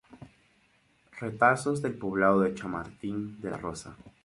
Retazos del poblado de Chamartín de la Rosa.